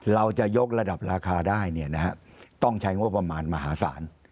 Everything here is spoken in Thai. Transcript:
เราจะยกระดับราคาได้ต้องใช้งบประมาณมหาศาล